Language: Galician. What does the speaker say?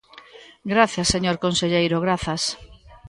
Grazas, señor conselleiro, grazas.